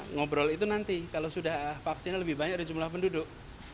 ngobrol itu nanti kalau sudah vaksinnya lebih banyak dari jumlah penduduk